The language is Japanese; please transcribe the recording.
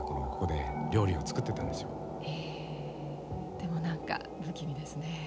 でも何か不気味ですね。